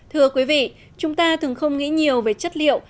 thưa quý vị chúng ta thường không nghĩ nhiều về chất liệu